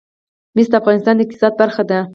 مس د افغانستان د اقتصاد برخه ده.